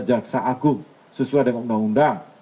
jaksa agung sesuai dengan undang undang